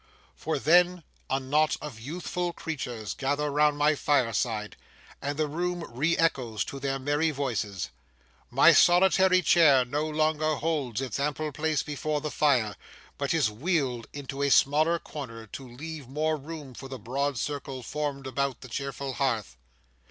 For then a knot of youthful creatures gather round my fireside, and the room re echoes to their merry voices. My solitary chair no longer holds its ample place before the fire, but is wheeled into a smaller corner, to leave more room for the broad circle formed about the cheerful hearth.